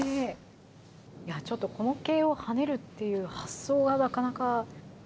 ちょっとこの桂馬をはねるっていう発想がなかなか。